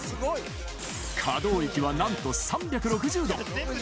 可動域はなんと３６０度。